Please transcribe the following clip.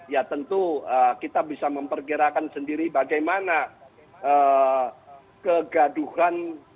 ya tentu kita bisa memperkirakan sendiri bagaimana kegaduhan